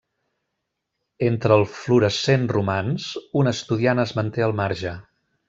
Entre el florescent romanç, un estudiant es manté al marge.